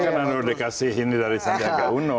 dia kan anodikasi ini dari sandiaga uno